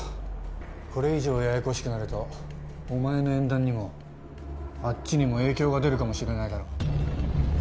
これ以上ややこしくなるとお前の縁談にもあっちにも影響が出るかもしれないだろう。